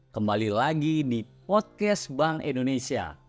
kembali lagi di podcast bank indonesia